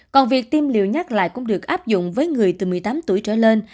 còn việc tiêm liều nhắc lại cũng được áp dụng với người từ một mươi tám tuổi trở lên